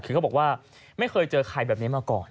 คือเขาบอกว่าไม่เคยเจอใครแบบนี้มาก่อน